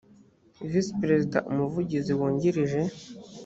visi perezida umuvugizi wungirije